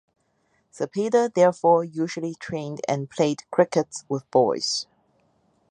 Zepeda therefore usually trained and played cricket with boys.